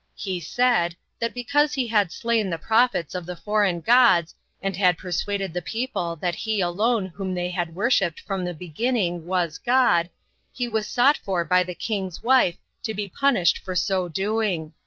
he said, that because he had slain the prophets of the foreign gods, and had persuaded the people that he alone whom they had worshipped from the beginning was God, he was sought for by the king's wife to be punished for so doing.